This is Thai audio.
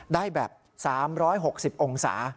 ได้แบบ๓๖๐องศา